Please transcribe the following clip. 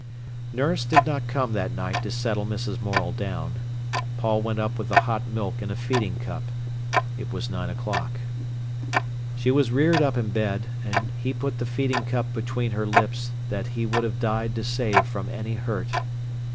Nurse did not come that night to settle Mrs. Morel down. Paul went up with the hot milk in a feeding cup. It was nine o'clock. She was reared up in bed, and he put the feeding cup between her lips that he would have died to save from any hurt.